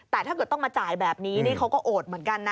แต่ถ้าเกิดต้องมาจ่ายแบบนี้นี่เขาก็โอดเหมือนกันนะ